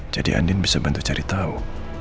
jadi andin bisa bantu cari tahu